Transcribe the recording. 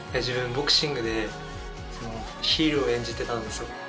自分ボクシングでヒールを演じてたんですよ